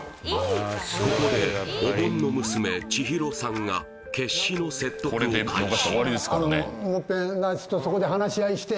ここでおぼんの娘千尋さんが決死の説得を開始